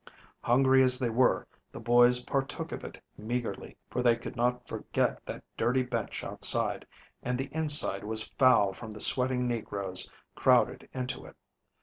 Hungry as they were, the boys partook of it meagerly, for they could not forget that dirty bench outside, and the inside was foul from the sweating negroes crowded into it.